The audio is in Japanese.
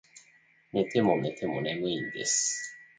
寝ても寝ても眠いんです